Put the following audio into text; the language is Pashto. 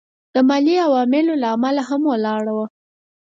د مالي عواملو له امله هم ولاړه وه.